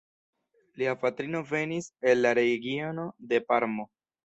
Lia patrino venis el la regiono de Parmo.